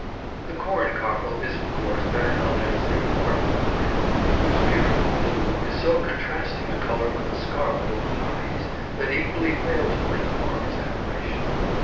The corn cockle is of course better known as the "cornflower," whose beautiful blue is so contrasting a colour with the scarlet of the poppies, that equally fail to win the farmer's admiration.